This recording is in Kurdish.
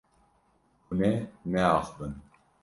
Hûn ê neaxivin.